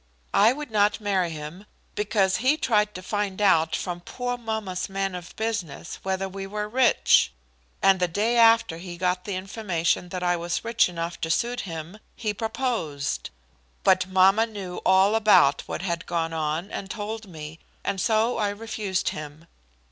"I would not marry him because he tried to find out from poor mamma's man of business whether we were rich. And the day after he got the information that I was rich enough to suit him, he proposed. But mamma knew all about what had gone on and told me, and so I refused him.